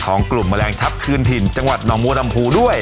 ของกลุ่มแมลงทัพคืนถิ่นจังหวัดหนองบัวลำพูด้วย